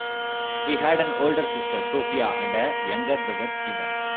He had an older sister, Sophia, and a younger brother, Steven.